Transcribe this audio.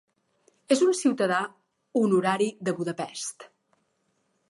És un ciutadà honorari de Budapest.